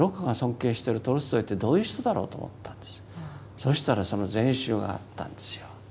そしたらその全集があったんですよ。